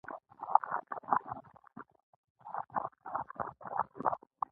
په نهمه پېړۍ کې په کال کې لس آبدات جوړ شول